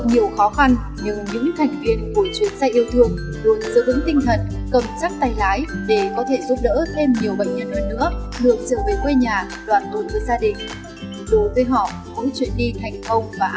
dù gặp nhiều khó khăn